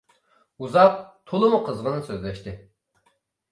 ئۇزاق، تولىمۇ قىزغىن سۆزلەشتى.